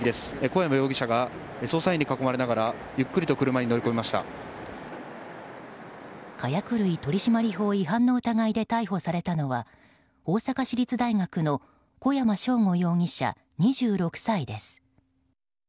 小山容疑者が捜査員に囲まれながらゆっくりと車に火薬類取締法違反の疑いで逮捕されたのは大阪市立大学の小山尚吾容疑者２６歳です。